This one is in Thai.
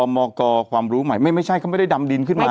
มกความรู้ใหม่ไม่ใช่เขาไม่ได้ดำดินขึ้นมา